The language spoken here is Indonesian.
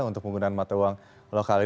untuk penggunaan mata uang lokal